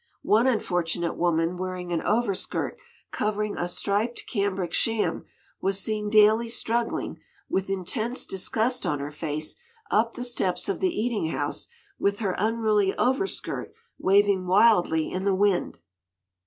One unfortunate woman wearing an overskirt covering a striped cambric sham, was seen daily struggling, with intense disgust on her face, up the steps of the eating house, with her unruly overskirt waving wildly in the wind.